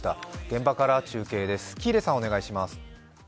現場から中継です。